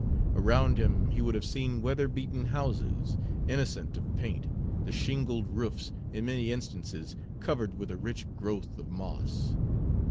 Around him he would have seen weather beaten houses, innocent of paint, the shingled roofs in many instances covered with a rich growth of moss.